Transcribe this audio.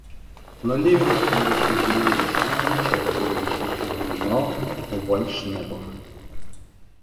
Но Левин, нахмурившись, делал вид, что не замечает его руки, и вынимал вальдшнепов.